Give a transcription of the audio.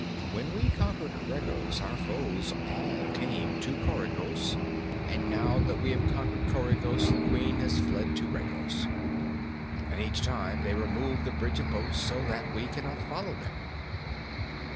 When we conquered Regos, our foes all came to Coregos, and now that we have conquered Coregos, the Queen has fled to Regos. And each time they removed the bridge of boats, so that we could not follow them."